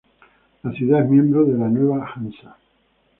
La ciudad es miembro de la Nueva Hansa